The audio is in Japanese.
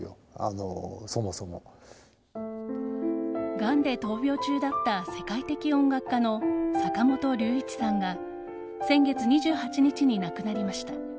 がんで闘病中だった世界的音楽家の坂本龍一さんが先月２８日に亡くなりました。